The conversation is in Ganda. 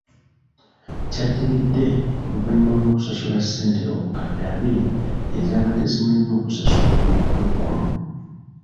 Kyadiridde, oluvannyuma lw'okusasula ssente obukadde abiri ezaabadde zimulemye okusasula olunaku lw'eggulo.